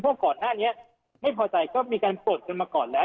เพราะก่อนหน้านี้ไม่พอใจก็มีการปลดกันมาก่อนแล้ว